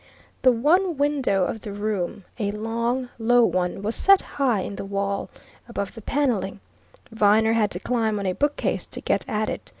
The one window of the room, a long, low one, was set high in the wall, above the panelling; Viner had to climb on a bookcase to get at it.